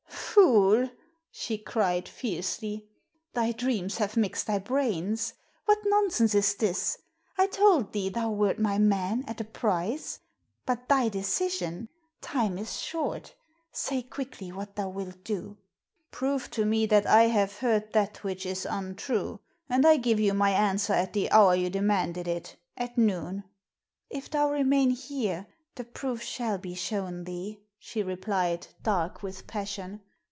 "Fool!" she cried, fiercely. "Thy dreams have mixed thy brains. What nonsense is this? I told thee thou wert my man, at a price. But thy decision! Time is short. Say quickly what thou wilt do." "Prove to me that I have heard that which is untrue, and I give you my answer at the hour you demanded it at noon." "If thou remain here, the proof shall be shown thee," she replied, dark with passion.